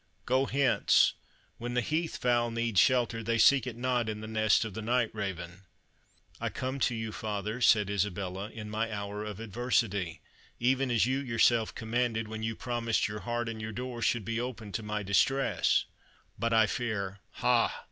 Go hence; when the heath fowl need shelter, they seek it not in the nest of the night raven." "I come to you, father," said Isabella, "in my hour of adversity, even as you yourself commanded, when you promised your heart and your door should be open to my distress; but I fear " "Ha!"